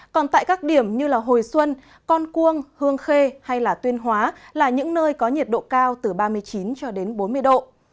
còn tại các điểm như hồi xuân con cuông hương khê hay tuyên hóa là những nơi có nhiệt độ cao từ ba mươi chín cho đến bốn mươi độ